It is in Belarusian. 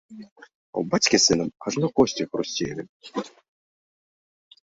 А ў бацькі з сынам ажно косці хрусцелі.